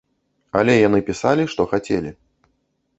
Але яны пісалі, што хацелі.